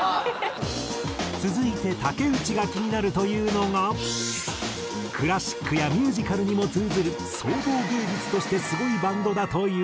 続いて竹内が気になるというのがクラシックやミュージカルにも通ずる総合芸術としてすごいバンドだという。